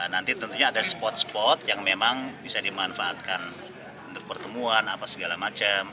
nanti tentunya ada spot spot yang memang bisa dimanfaatkan untuk pertemuan apa segala macam